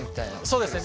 そうですね。